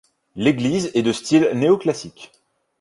L'église est de style Néoclassique.